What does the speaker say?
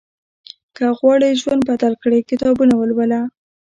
که غواړې ژوند بدل کړې، کتابونه ولوله.